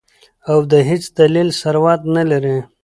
او د هېڅ دليل ضرورت نۀ لري -